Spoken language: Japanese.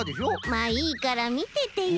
まあいいからみててよ。